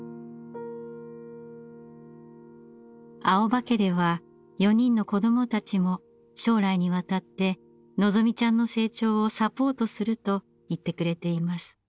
青葉家では４人の子どもたちも将来にわたってのぞみちゃんの成長をサポートすると言ってくれています。